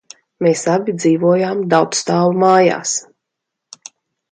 Mēs abi dzīvojām daudzstāvu mājās.